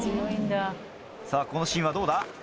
さぁこのシーンはどうだ？